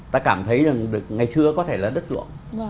ta cảm thấy là ngày xưa có thể là đất luộng